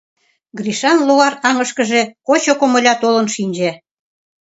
Гришын логар аҥышкыже кочо комыля толын шинче.